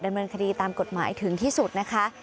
ดำเนินคดีตามกฎหมายถึงที่สุดนะคะ